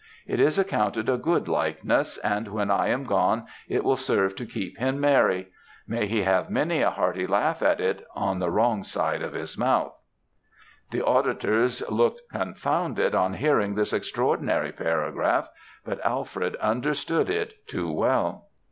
It is accounted a good likeness, and when I am gone, it will serve to keep him merry. May he have many a hearty laugh at it on the wrong side of his mouth.' "The auditors looked confounded on hearing this extraordinary paragraph, but Alfred understood it too well.